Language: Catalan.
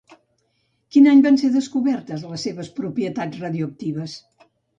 Quin any van ser descobertes les seves propietats radioactives?